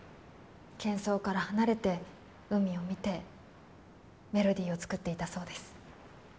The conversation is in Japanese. けん騒から離れて海を見てメロディーを作っていたそうです。